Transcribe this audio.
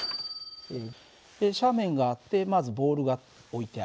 斜面があってまずボールが置いてあります。